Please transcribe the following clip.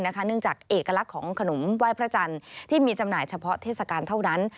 เนื่องจากเอกลักษณ์ของขนมไหว้พระจันทร์ที่มีจำหน่ายเฉพาะเทศกาลเท่านั้น